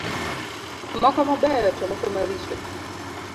Moko mabeyo to moko maricho.